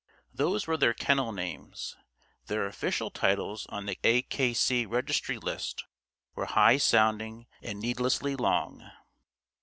(Those were their "kennel names." Their official titles on the A. K. C. registry list were high sounding and needlessly long.)